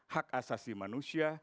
hak asasi manusia